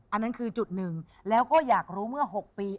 อันนั้นคือจุดหนึ่งแล้วก็อยากรู้เมื่อ๖ปี